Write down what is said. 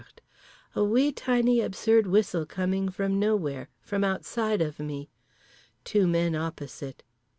_ A wee tiny absurd whistle coming from nowhere, from outside of me. Two men opposite.